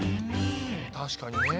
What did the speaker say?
確かにね。